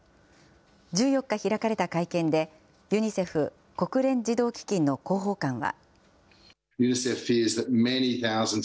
１４日開かれた会見で、ユニセフ・国連児童基金の広報官は。